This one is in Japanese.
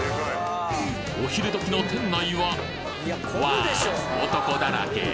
お昼時の店内はわぁ男だらけ！